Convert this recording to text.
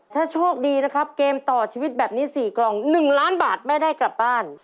ถ้าโชคดีนะครับเกมต่อชีวิตแบบนี้๔กล่อง๑ล้านบาทแม่ได้กลับบ้าน